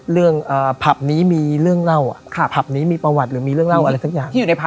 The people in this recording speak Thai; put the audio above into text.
เรื่องพับนี้มีเรื่องเล่าพับนี้มีประวัติหรือมีเรื่องเล่าอะไรสักอย่าง